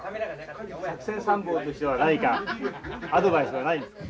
作戦参謀としては何かアドバイスはないんですか？